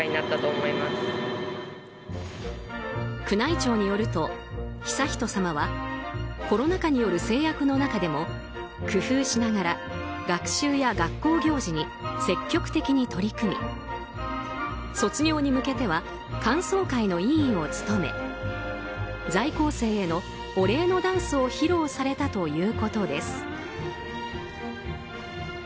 宮内庁によると、悠仁さまはコロナ禍による制約の中でも工夫しながら学習や学校行事に積極的に取り組み卒業に向けては歓送会の委員を務め在校生へのお礼のダンスを披露されたということです。